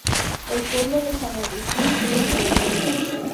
El pueblo de San Agustín tiene su leyenda.